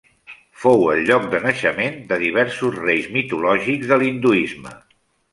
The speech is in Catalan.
Fou el lloc de naixement de diversos reis mitològics de l'hinduisme.